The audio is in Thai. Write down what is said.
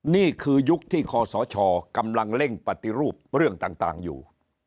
นี่คือยุคที่คอสชกำลังเร่งปฏิรูปเรื่องต่างอยู่